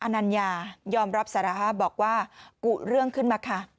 นัญญายอมรับสารภาพบอกว่ากุเรื่องขึ้นมาค่ะ